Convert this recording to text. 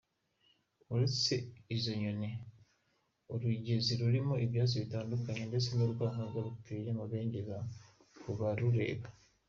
Uretse izo nyoni, Urugezi rurimo ibyatsi bitandukanye ndetse n’urukangaga ruteye amabengeza ku barureba.